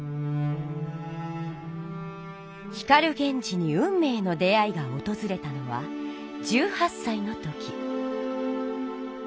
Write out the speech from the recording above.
光源氏に運命の出会いがおとずれたのは１８さいの時。